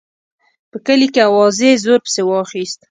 په کلي کې اوازې زور پسې واخیست.